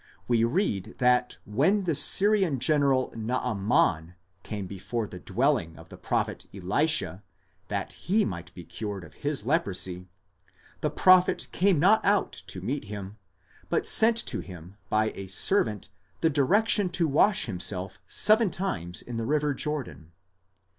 we read that when the Syrian general Naaman came before the dwelling of the prophet Elisha that he might be cured of his leprosy, the prophet came not out to meet him, but sent to him by a servant the direction to wash himself seven times in the river Jordan.